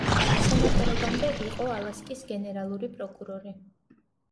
სენატორობამდე, იყო ალასკის გენერალური პროკურორი.